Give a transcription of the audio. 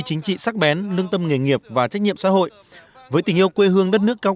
chính trị sắc bén lương tâm nghề nghiệp và trách nhiệm xã hội với tình yêu quê hương đất nước cao